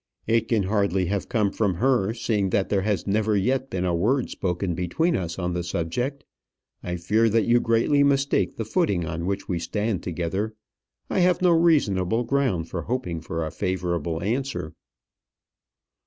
"It can hardly have come from her, seeing that there has never yet been a word spoken between us on the subject. I fear that you greatly mistake the footing on which we stand together. I have no reasonable ground for hoping for a favourable answer."